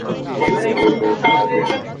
অনুগ্রহ করে সাড়া দিন।